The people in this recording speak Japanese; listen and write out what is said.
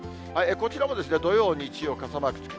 こちらも土曜、日曜、傘マーク付く。